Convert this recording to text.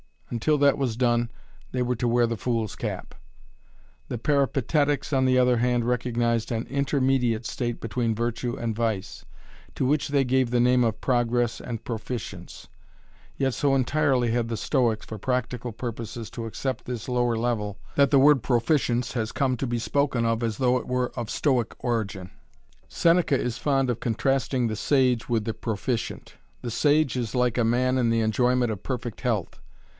Until that was done they were to wear the fool's cap. The Peripatetics, on the other hand, recognized an intermediate state between virtue and vice, to which they gave the name of progress and proficience. Yet so entirely had the Stoics, for practical purposes, to accept this lower level, that the word "proficience" has come to be spoken of as though it were of Stoic origin. Seneca is fond of contrasting the sage with the proficient. The sage is like a man in the enjoyment of perfect health.